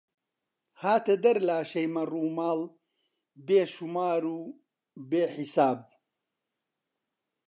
هاتە دەر لاشەی مەڕوماڵ، بێ ژومار و بێ حیساب